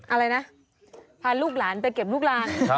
อะไรนะพาลูกหลานไปเก็บลูกลาง